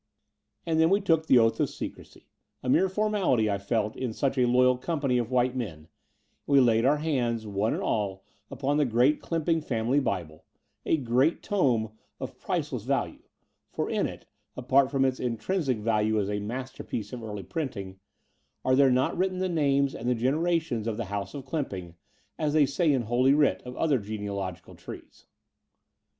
And then we took the oath of secrecy — a mere formality, I felt, in such a loyal company of white men : and we laid our hands, one and all, upon the great Clymping family Bible, a great tome of priceless value — ^for in it, apart from its intrinsic value as a masterpiece of early printing, are there not written the names and the generations of the House of Clymping, as they say in Holy Writ of other genealogical trees?